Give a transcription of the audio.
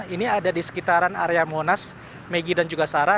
ini ada di sekitaran area monas maggie dan juga sarah